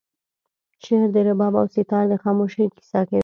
شعر د رباب او سیتار د خاموشۍ کیسه کوي